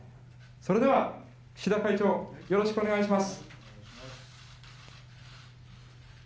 それでは岸田会長、よろしくお願いします。